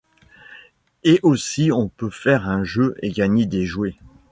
Et aussi on peut faire un jeu et gagner des jouets.